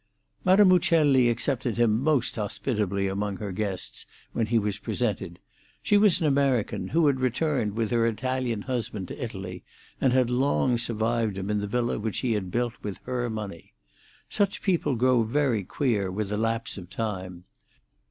Madame Uccelli accepted him most hospitably among her guests when he was presented. She was an American who had returned with her Italian husband to Italy, and had long survived him in the villa which he had built with her money. Such people grow very queer with the lapse of time.